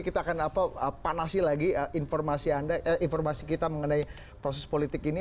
kita akan panasi lagi informasi kita mengenai proses politik ini